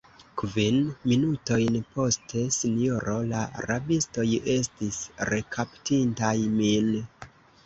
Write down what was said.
Kvin minutojn poste, sinjoro, la rabistoj estis rekaptintaj min.